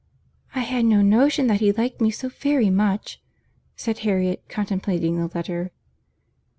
"I had no notion that he liked me so very much," said Harriet, contemplating the letter.